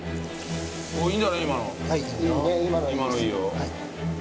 今のいいよ。